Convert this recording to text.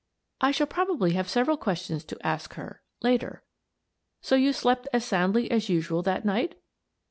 " I shall probably have several questions to ask her — later. So you slept as soundly as usual that night?"